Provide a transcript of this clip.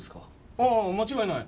ああ間違いない。